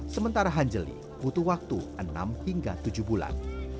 sementara hanjeli butuh waktu enam hingga tujuh bulan